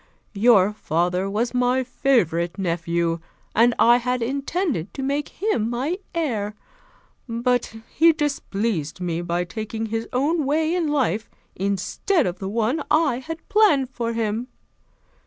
Your father was my favorite nephew, and I had intended to make him my heir; but he displeased me by taking his own way in life, instead of the one I had planned for him.